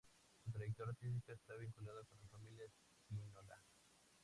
Su trayectoria artística está vinculada con la familia Spinola.